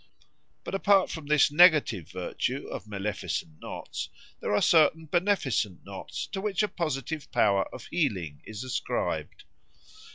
But apart from this negative virtue of maleficent knots, there are certain beneficent knots to which a positive power of healing is ascribed.